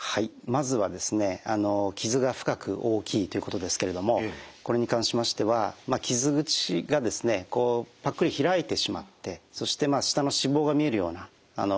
まずは「傷が深く大きい」ということですけれどもこれに関しましては傷口がこうパックリ開いてしまってそして下の脂肪が見えるような深い傷の場合。